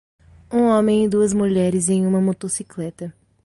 Um homem e duas mulheres em uma motocicleta.